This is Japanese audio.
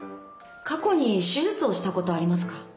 過去に手術をしたことありますか？